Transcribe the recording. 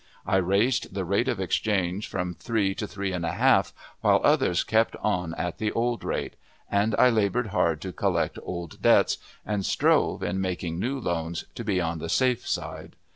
I raised the rate of exchange from three to three and a half, while others kept on at the old rate; and I labored hard to collect old debts, and strove, in making new loans, to be on the safe side.